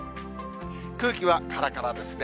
空気はからからですね。